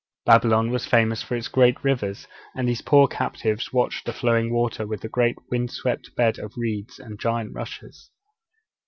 _' (Verse 1.) Babylon was famous for its great rivers; and the poor captives watched the flowing water, and the great wind swept beds of reeds and giant rushes.